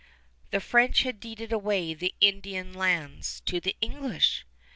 The French had deeded away the Indian lands to the English!